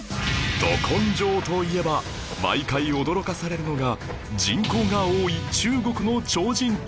ド根性といえば毎回驚かされるのが人口が多い中国の超人たち